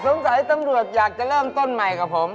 ตำรวจอยากจะเริ่มต้นใหม่กับผม